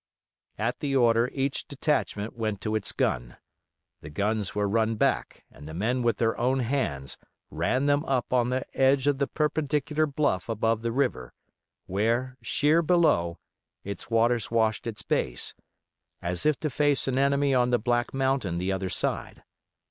At the order each detachment went to its gun; the guns were run back and the men with their own hands ran them up on the edge of the perpendicular bluff above the river, where, sheer below, its waters washed its base, as if to face an enemy on the black mountain the other side.